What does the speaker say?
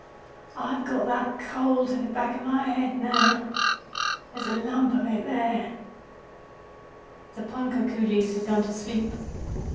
I've got that cold in the back of my head now. There's a lump of it there." The punkah coolies had gone to sleep.